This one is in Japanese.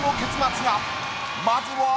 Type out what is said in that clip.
まずは。